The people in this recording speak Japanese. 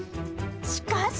しかし。